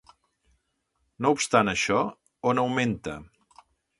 No obstant això, on augmenta?